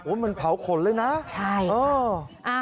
โอ้มันเผาขนเลยนะใช่ค่ะ